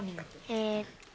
えっと。